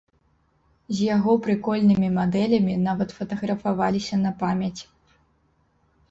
З яго прыкольнымі мадэлямі нават фатаграфаваліся на памяць.